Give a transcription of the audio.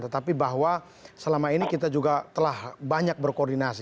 tetapi bahwa selama ini kita juga telah banyak berkoordinasi